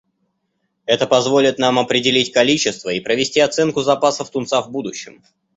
Это позволит нам определить количество и провести оценку запасов тунца в будущем.